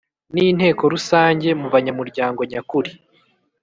n Inteko Rusange mu banyamuryango nyakuri